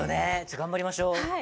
頑張りましょう。